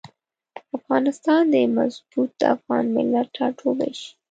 افغانستان د مضبوط افغان ملت ټاټوبی شي.